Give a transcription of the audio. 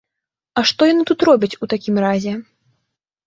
А што яны тут робяць у такім разе?